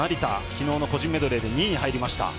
きのうの個人メドレーで２位に入りました。